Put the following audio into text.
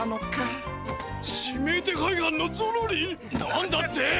何だって？